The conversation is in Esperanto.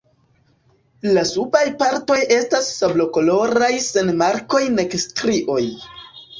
La subaj partoj estas sablokoloraj sen markoj nek strioj.